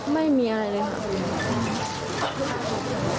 ไม่มีอะไรสินะฮะ